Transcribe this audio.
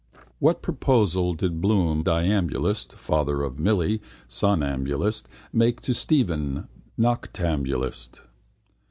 What proposal did Bloom, diambulist, father of Milly, somnambulist, make to Stephen, noctambulist?